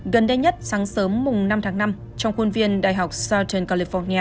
gần đây nhất sáng sớm mùng năm tháng năm trong khuôn viên đại học sochion california